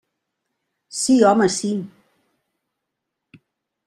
Sí, home, sí.